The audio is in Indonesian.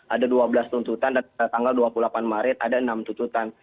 ada dua belas tuntutan dan tanggal dua puluh delapan maret ada enam tuntutan